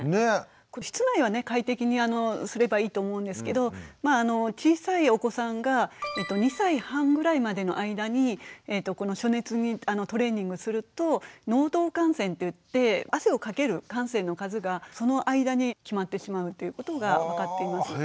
室内はね快適にすればいいと思うんですけど小さいお子さんが２歳半ぐらいまでの間に暑熱にトレーニングすると能動汗腺っていって汗をかける汗腺の数がその間に決まってしまうっていうことが分かっています。